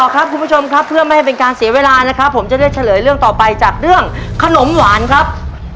ครับคุณผู้ชมครับเพื่อไม่ให้เป็นการเสียเวลานะครับผมจะได้เฉลยเรื่องต่อไปจากเรื่องขนมหวานครับ